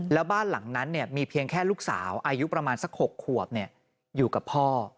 แล้วบ้านหลังนั้นมีเพียงแค่ลูกสาวอายุประมาณสัก๖ขวบอยู่กับพ่อ